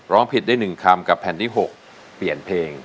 ร้องผิดได้๑คำกับแผ่นที่๖เปลี่ยนเพลง